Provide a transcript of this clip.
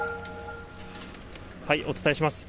お伝えします。